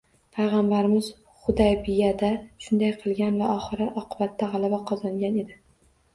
Payg‘ambarimiz Hudaybiyada shunday qilgan va oxir-oqibatda g‘alaba qozongan edi